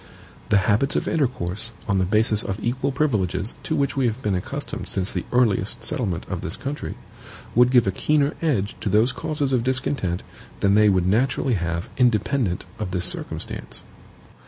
The habits of intercourse, on the basis of equal privileges, to which we have been accustomed since the earliest settlement of the country, would give a keener edge to those causes of discontent than they would naturally have independent of this circumstance.